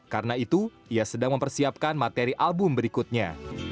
karena itu ia sedang mempersiapkan materi album berikutnya